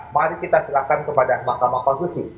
mari kita serahkan kepada mahkamah konstitusi